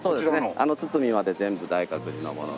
あの堤まで全部大覚寺のもので。